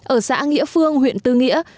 ở xã nghĩa phương huyện tư nghĩa